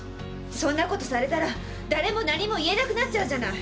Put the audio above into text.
そんなことされたら誰も何も言えなくなっちゃうじゃない！